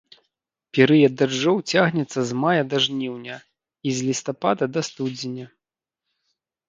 Перыяд дажджоў цягнецца з мая да жніўня, і з лістапада да студзеня.